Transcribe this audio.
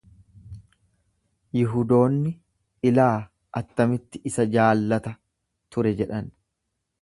Yihudoonni, Ilaa attamitti isa jaallata ture jedhan.